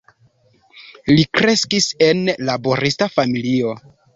Li kreskis en laborista familio.